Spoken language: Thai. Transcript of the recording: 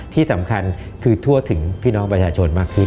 ที่สำคัญคือทั่วถึงพี่น้องประชาชนมากขึ้น